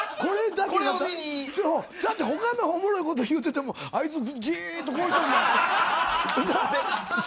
だって他のおもろいこと言ってもあいつじっとしてるのに。